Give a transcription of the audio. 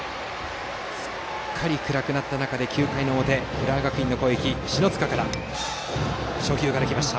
すっかり暗くなった中で９回の表浦和学院の攻撃、篠塚から。